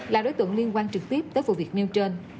là đối tượng liên quan trực tiếp tới vụ việc nêu trên